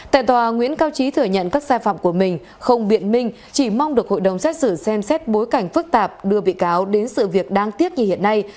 tại tòa nguyễn cao trí thừa nhận các sai phạm của mình không biện minh chỉ mong được hội đồng xét xử xem xét bối cảnh phức tạp đưa bị cáo đến sự việc đáng tiếc như hiện nay